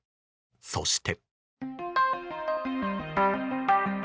そして。